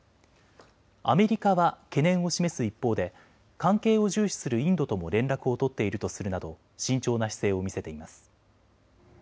アメリカは懸念を示す一方で関係を重視するインドとも連絡を取っているとするなど慎重な姿勢を見せています。